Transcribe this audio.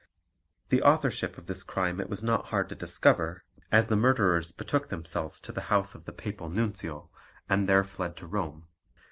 The authorship of this crime it was not hard to discover, as the murderers betook themselves to the house of the Papal Nuncio, and thence fled to Rome.